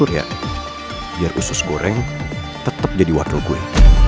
biar usus goreng tetap jadi wakil gue